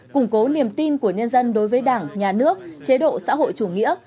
củng cố niềm tin của nhân dân đối với đảng nhà nước chế độ xã hội chủ nghĩa